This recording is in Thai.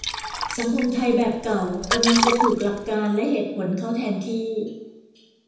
สังคมไทยแบบเก่ากำลังจะถูกหลักการณ์และเหตุผลเข้าแทนที่